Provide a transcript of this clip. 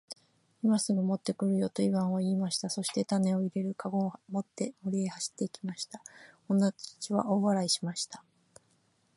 「今すぐ持って来るよ。」とイワンは言いました。そして種を入れる籠を持って森へ走って行きました。女たちは大笑いしました。